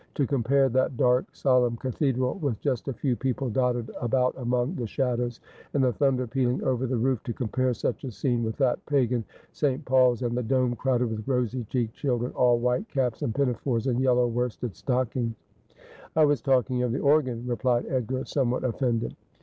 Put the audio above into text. ' To compare that dark solemn cathedra], with just a few people dotted about among the shadows, and the thunder pealing over the roof — to compare such a scene with that pagan St. Paul's, and the dome crowded with rosy cheeked children, all white caps and pinafoines and yellow worsted stock ings !' 294 Asphodel, ' I was talking of the organ,' replied Edgar, somewhat offended.